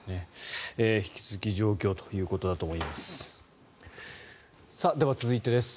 引き続き状況ということだと思います。